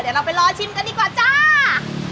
เดี๋ยวเราไปรอชิมกันดีกว่าจ้า